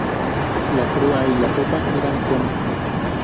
La proa y la popa eran romas.